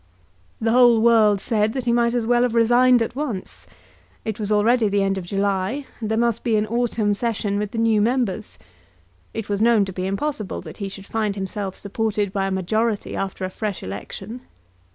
The whole world said that he might as well have resigned at once. It was already the end of July, and there must be an autumn Session with the new members. It was known to be impossible that he should find himself supported by a majority after a fresh election.